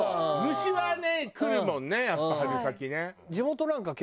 虫はね来るもんねやっぱ春先ね。